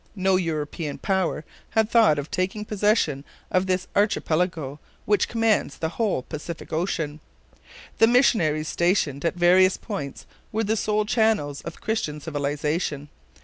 No European power had thought of taking possession of this archipelago, which commands the whole Pacific Ocean. The missionaries stationed at various points were the sole channels of Christian civilization.